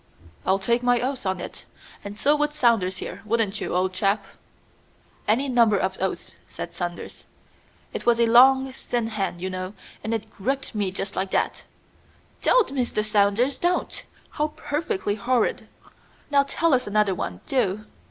"I'll take my oath on it, and so would Saunders here; wouldn't you, old chap?" "Any number of oaths," said Saunders. "It was a long thin hand, you know, and it gripped me just like that." "Don't Mr. Saunders! Don't! How perfectly horrid! Now tell us another one, do.